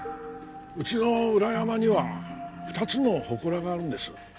うちの裏山には２つのほこらがあるんです。